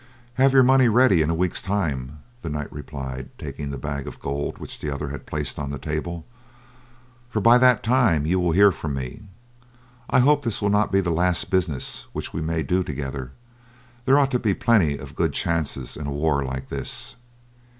"Have your money ready in a week's time," the knight replied, taking the bag of gold which the other placed on the table, "for by that time you will hear from me. I hope this will not be the last business which we may do together; there ought to be plenty of good chances in a war like this.